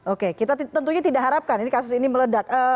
oke kita tentunya tidak harapkan ini kasus ini meledak